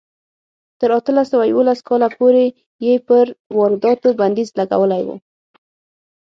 تر اتلس سوه یوولس کاله پورې یې پر وارداتو بندیز لګولی و.